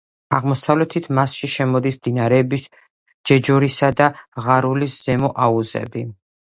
აღმოსავლეთით მასში შემოდის მდინარეების ჯეჯორისა და ღარულის ზემო აუზები.